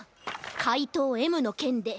かいとうＭのけんで。